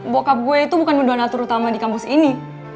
bokap gue itu bukan unduan atur utama di kampus ini